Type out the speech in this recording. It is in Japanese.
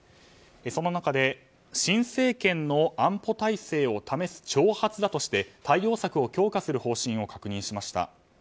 その中で新政権の安保体制を試す挑発だとして対応策を強化する方針を確認しました。